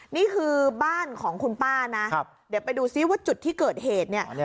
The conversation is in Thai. นี่คือบ้านของคุณป้านะเดี๋ยวไปดูซิว่าจุดที่เกิดเหตุเนี่ย